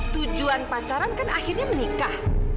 tujuan pacaran kan akhirnya menikah